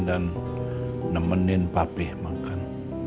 dan nemenin papih makan